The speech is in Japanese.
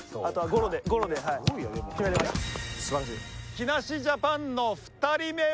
木梨ジャパンの２人目は。